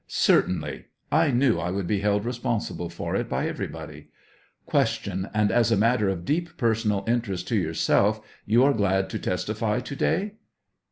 Certainly ; I knew I would be held responsible for it by everybody. Q. And as a matter of deep personal interest to yourself, you are glad to testify to day